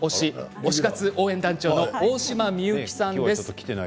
推し活応援団長の大島美幸さんです。